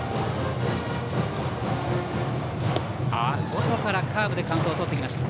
外からカーブでカウントをとってきました。